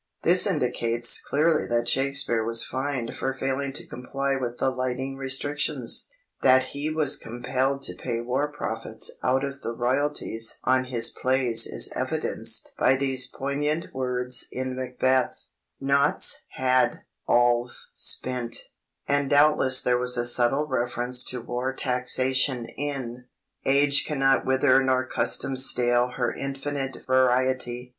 This indicates clearly that Shakespeare was fined for failing to comply with the Lighting Restrictions. That he was compelled to pay War Profits out of the "royalties" on his plays is evidenced by these poignant words in Macbeth:— "Nought's had, all's spent," and doubtless there was a subtle reference to War taxation in "Age cannot wither nor custom stale her infinite variety."